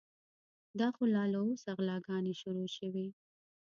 دا خو لا له اوسه غلاګانې شروع شوې.